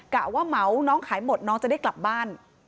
กะว่าเหมาน้องขายหมดน้องจะได้กลับบ้าน